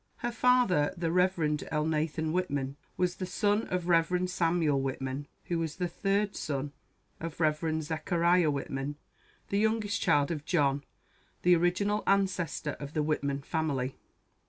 Her father, the Rev. Elnathan Whitman, was the son of Rev. Samuel Whitman, who was the third son of Rev. Zechariah Whitman, the youngest child of John, the original ancestor of the Whitman family.